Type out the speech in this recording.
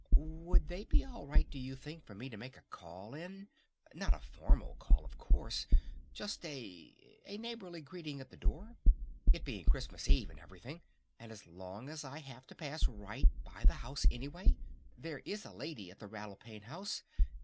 Would they be all right, do you think, for me to make a call in? Not a formal call, of course, just a a neighborly greeting at the door? It being Christmas Eve and everything! And as long as I have to pass right by the house anyway? There is a lady at the Rattle Pane House!